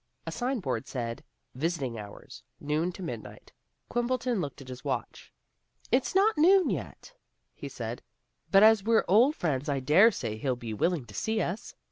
A signboard said: Visiting Hours, Noon to Midnight. Quimbleton looked at his watch. "It's not noon yet," he said, "but as we're old friends I dare say he'll be willing to see us."